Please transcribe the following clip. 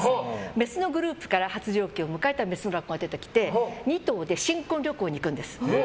メスのグループから発情期を迎えた個体が出てきて２頭で新婚旅行に行くんです。